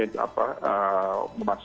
memasuki masjid al aqsa